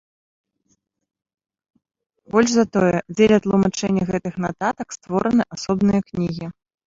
Больш за тое, дзеля тлумачэння гэтых нататак створаны асобныя кнігі.